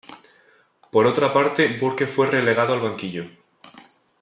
Por otra parte, Burke fue relegado al banquillo.